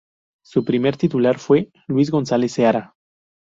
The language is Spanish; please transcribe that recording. Su primer titular fue Luis González Seara.